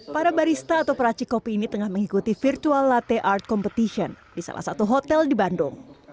para barista atau peracik kopi ini tengah mengikuti virtual latte art competition di salah satu hotel di bandung